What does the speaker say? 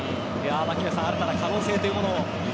新たな可能性というものを。